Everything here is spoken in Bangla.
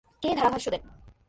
কে ধারাভাষ্য দেন?